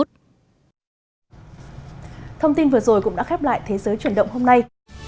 thông tin vừa rồi cũng đã khép lại thế giới chuyển động hôm nay